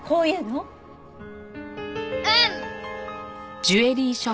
うん！